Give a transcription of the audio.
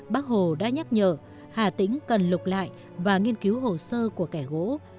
bác hồ đã nhắc nhở hà tĩnh cần lục lại và nghiên cứu hồ sơ của kẻ gỗ